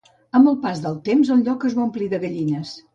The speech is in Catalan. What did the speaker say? Amb el pas del temps el lloc es va omplir de gallines.